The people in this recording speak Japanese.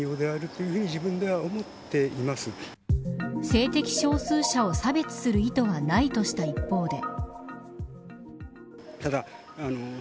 性的少数者を差別する意図はないとした一方で。